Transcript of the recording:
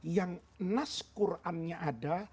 yang nas qurannya ada